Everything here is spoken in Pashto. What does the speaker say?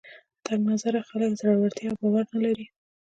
تنګ نظره خلک زړورتیا او باور نه لري